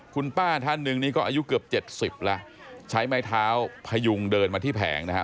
คุณป้าท่านหนึ่งนี่ก็อายุเกือบเจ็ดสิบแล้วใช้ไม้เท้าพยุงเดินมาที่แผงนะฮะ